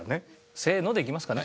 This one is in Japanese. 「せーの」でいきますかね。